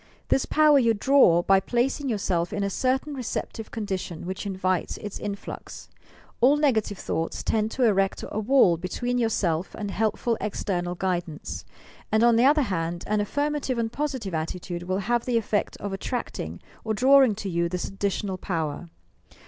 This power you draw by placing yourself in a certain receptive condi tion which invites its influx. All negative llioughts tend to erect a wall between yourself and helpful external guidance, and, on the other hand, an affirmative and positive attitude will have the effect of attracting or drawing to you this additional power.